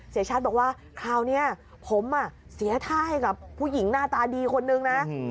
เสียชัดบอกว่าคราวนี้ผมเสียท่าให้กับผู้หญิงหน้าตาดีคนนึงนะ